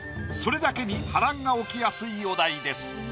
それだけに波乱が起きやすいお題です。